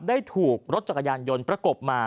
ได้ถูกรถจักรยานยนต์ประกบมา